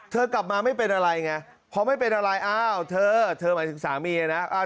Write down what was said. กลับมาไม่เป็นอะไรไงพอไม่เป็นอะไรอ้าวเธอเธอหมายถึงสามีนะ